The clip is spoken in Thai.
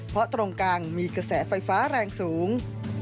เพราะตรงกลางมีกระแสไฟฟ้าแรงสูง